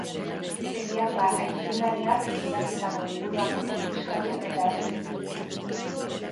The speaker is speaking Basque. Pediatra aitzindariak idatzitako liburuak konfiskatu eta erre zituzten.